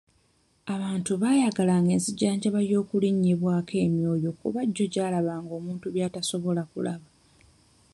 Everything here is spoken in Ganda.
Abantu baayagalanga enzijanjaba y'okulinnyibwako emyoyo kuba gyo gyalabanga omuntu by'atasobola kulaba.